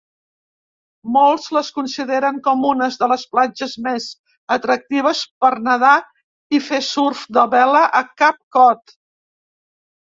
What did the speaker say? Molts les consideren com unes de les platges més atractives per nedar i fer surf de vela a Cap Cod.